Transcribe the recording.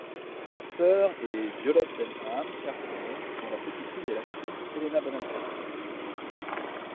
Sa sœur est Violet Bonham Carter, dont la petite-fille est l'actrice Helena Bonham Carter.